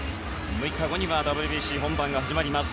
６日後にはＷＢＣ本番が始まります。